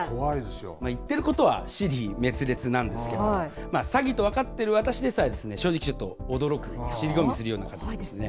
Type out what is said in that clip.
言ってることは支離滅裂なんですけれども、詐欺と分かっている私でさえ、正直、ちょっと驚く、尻込みするような感じですね。